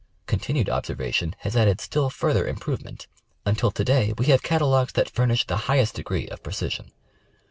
Continued observation has added still further improvement until to day we have catalogues that furnish the highest degree of precision.